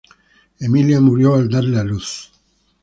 Emilia murió al darle a luz.